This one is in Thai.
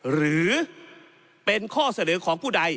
หรือเป็นข้อเสนอของผู้ใด